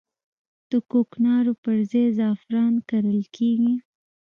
د کوکنارو پر ځای زعفران کرل کیږي